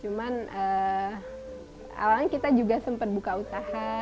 cuman awalnya kita juga sempat buka usaha